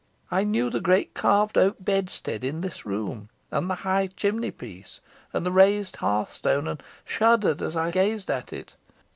I knew the great carved oak bedstead in this room, and the high chimney piece, and the raised hearthstone, and shuddered as I gazed at it.